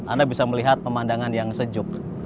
anda bisa melihat pemandangan yang sejuk